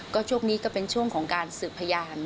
ก็ช่วงนี้ก็เป็นช่วงของการสืบพยาน